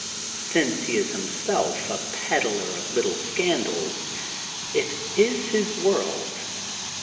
Since he is him self a peddler of little scandals, it is his world.